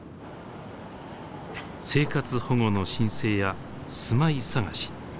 生活保護の申請や住まい探し